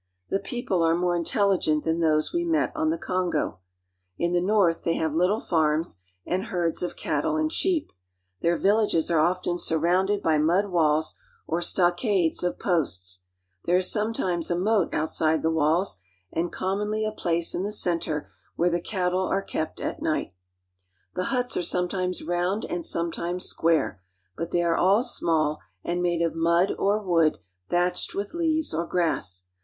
The people are more intelligent than those we met on the Kongo. In the north they have ]^^ little farms and herds of cattle and sheep. Their villages ^^^nre surrounded by walls of mud or stockades of posts. ■ ^^Hfrhere is often a moat outside the walls, and commonly a I ^^^Kilace in the center where the cattle are kept at night. I ^^^F The huts are sometimes round and sometimes square; 1 ^^^rbut they are all small and made of mud or wood thatched I with leaves or grass.